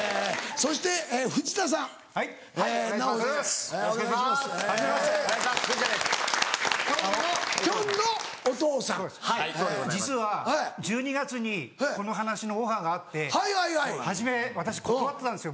そうです実は１２月にこの話のオファーがあって初め私断ってたんですよ